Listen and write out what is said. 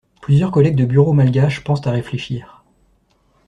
Plusieurs collègues de bureau malgaches pensent à réfléchir.